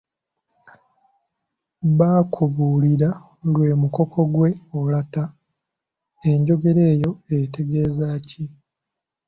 Bakubuulira lw’e Mukoko ggwe olatta. Enjogera eyo etegeeza ki?